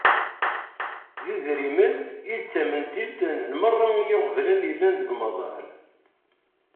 D idrimen i d tamentilt n merra iɣeblan yellan deg umaḍal.